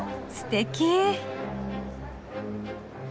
すてき。